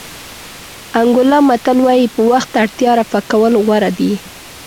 انګولا متل وایي په وخت اړتیا رفع کول غوره دي.